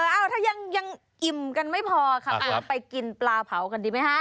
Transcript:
เอ้าถ้ายังอิ่มกันไม่พอค่ะคุณไปกินปลาเผากันดีไหมฮะ